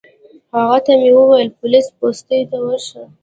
هغه ته مې وویل پولیس پوستې ته ورشه.